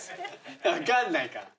分かんないから。